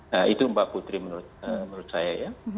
nah itu mbak putri menurut saya ya